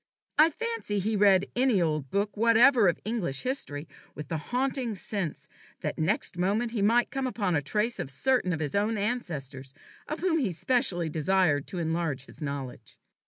I fancy he read any old book whatever of English history with the haunting sense that next moment he might come upon the trace of certain of his own ancestors of whom he specially desired to enlarge his knowledge.